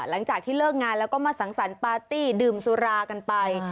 หลังจากที่เลิกงานแล้วก็มาสังสรรค์ปาร์ตี้ดื่มสุรากันไป